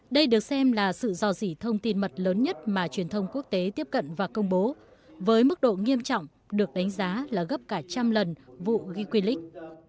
đây được xem là sự dò dỉ thông tin mật lớn nhất mà truyền thông quốc tế tiếp cận và công bố với mức độ nghiêm trọng được đánh giá là gấp cả trăm lần vụ ghi queenak